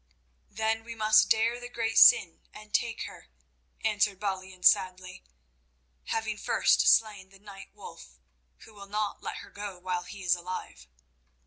"Then we must dare the great sin and take her," answered Balian sadly, "having first slain the knight Wulf, who will not let her go while he is alive."